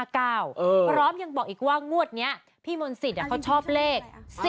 พร้อมยังบอกอีกว่างวดนี้พี่มนต์สิทธิ์เขาชอบเลข๔